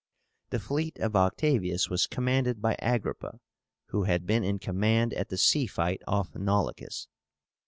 The fleet of Octavius was commanded by Agrippa, who had been in command at the sea fight off Naulochus.